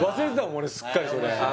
俺すっかりそれあ